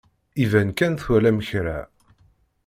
Iban kan twalam kra.